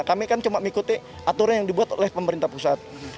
kami kan cuma mengikuti aturan yang dibuat oleh pemerintah pusat